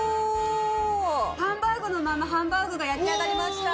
ハンバーグのままハンバーグが焼き上がりました！